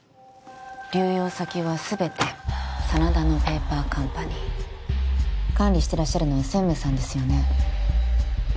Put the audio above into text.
流用先は全て真田のペーパーカンパニー管理してらっしゃるのは専務さんですよね？